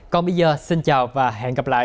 còn bây giờ xin chào và hẹn gặp lại